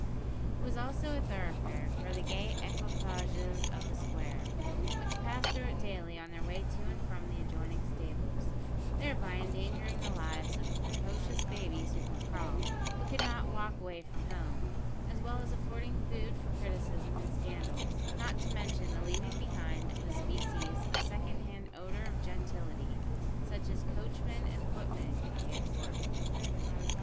It was also a thoroughfare for the gay equipages of the square, which passed through it daily on their way to and from the adjoining stables, thereby endangering the lives of precocious babies who could crawl, but could not walk away from home, as well as affording food for criticism and scandal, not to mention the leaving behind of a species of secondhand odour of gentility such as coachmen and footmen can give forth.